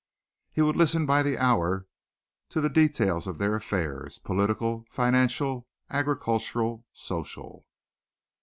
He would listen by the hour to the details of their affairs, political, financial, agricultural, social.